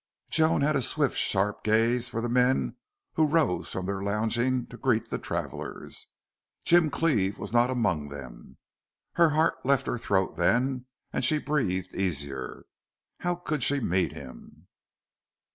Joan had a swift, sharp gaze for the men who rose from their lounging to greet the travelers. Jim Cleve was not among them. Her heart left her throat then, and she breathed easier. How could she meet him?